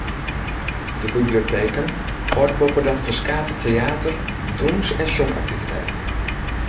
De biblioteken hâlde boppedat ferskate teäter-, dûns- en sjongaktiviteiten.